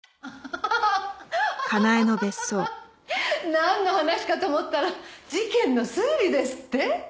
なんの話かと思ったら事件の推理ですって？